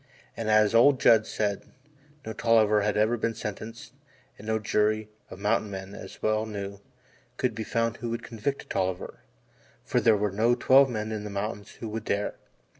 And as old Judd said, no Tolliver had ever been sentenced and no jury of mountain men, he well knew, could be found who would convict a Tolliver, for there were no twelve men in the mountains who would dare.